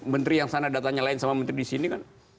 menteri yang datang nyalahin sama menteri di sini kan